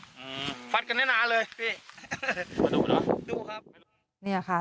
อืมฟัดกันได้นานเลยพี่มาดูเนอะดูครับเนี้ยค่ะ